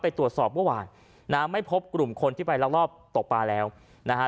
ไปตรวจสอบเมื่อวานนะฮะไม่พบกลุ่มคนที่ไปรักรอบตกปลาแล้วนะฮะ